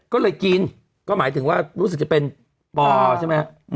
ก็เลยกินก็หมายถึงว่ารู้สึกจะเป็นปอใช่ไหมครับ